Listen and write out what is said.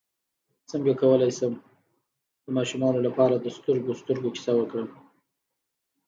څنګه کولی شم د ماشومانو لپاره د سترګو سترګو کیسه وکړم